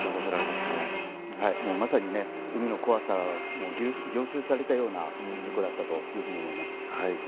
まさに海の怖さを凝集されたような事故だったというふうに思います。